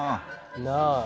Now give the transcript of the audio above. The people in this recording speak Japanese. なあ。